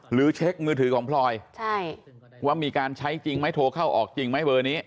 หรือเช็คมือถือของพลอยว่ามีการใช้จริงไหมโทรเข้าออกจริงไหมเบอร์นี้